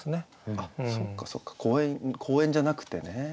あっそっかそっか公園じゃなくてね。